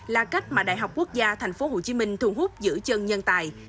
là cách mà đại học quốc gia tp hcm thu hút giữ chân nhân tài